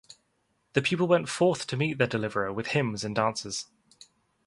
The people went forth to meet their deliverer with hymns and dances.